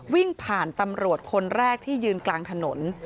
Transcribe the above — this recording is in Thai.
วิ่งผ่านตำรวจคนแรกที่ยืนกลางถนน